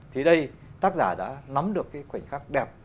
thì đây tác giả đã nắm được cái khoảnh khắc đẹp